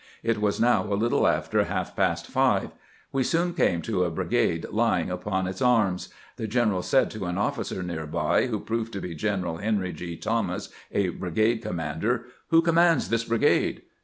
It was now a little after half past five. We soon came to a brigade lying upon its arms. The general said to an GEANT'S ADVENTUKE BETWEEN THE LINES 265 officer near by, who proved to be G eneral Henry Gr. Thomas, a brigade commander, "Who commands this brigade